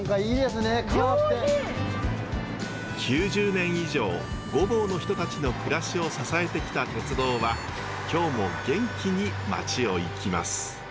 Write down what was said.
９０年以上御坊の人たちの暮らしを支えてきた鉄道は今日も元気に町を行きます。